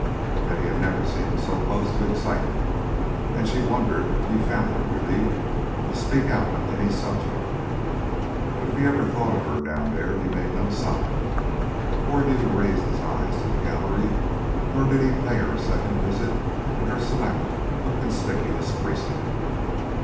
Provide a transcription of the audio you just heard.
Betty never had seen him so close to excitement, and she wondered if he found it a relief to speak out on any subject. But if he ever thought of her down there he made no sign, for he neither raised his eyes to the gallery nor did he pay her a second visit in her select but conspicuous precinct.